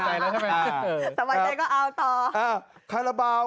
สบายใจก็เอาต่อ